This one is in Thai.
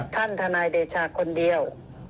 ทนายเดชาคนเดียว